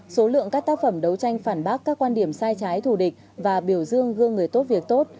số lượng các tác phẩm đấu tranh phản bác các quan điểm sai trái thù địch và biểu dương gương người tốt việc tốt